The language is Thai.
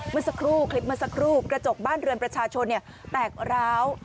เมื่อสักครู่คลิปเมื่อสักครู่กระจกบ้านเรือนประชาชนแตกร้าว